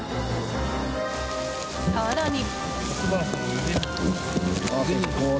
更に。